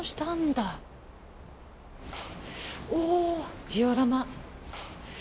おジオラマ。